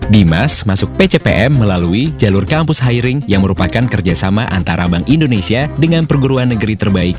dimas masuk pcpm melalui jalur kampus hiring yang merupakan kerjasama antara bank indonesia dengan perguruan negeri terbaik